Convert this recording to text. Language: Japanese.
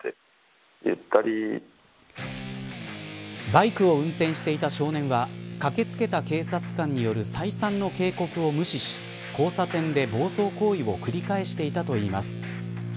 バイクを運転していた少年は駆けつけた警察官による再三の警告を無視し交差点で暴走行為を繰り返していたといいます。